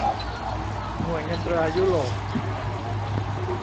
หน่วยเงินตรายุโรป